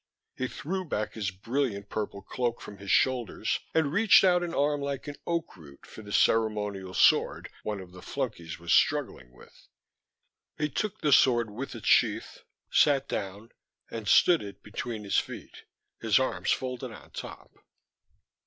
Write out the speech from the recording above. He threw back his brilliant purple cloak from his shoulders and reached out an arm like an oak root for the ceremonial sword one of the flunkies was struggling with. He took the sword with its sheath, sat down, and stood it between his feet, his arms folded on top.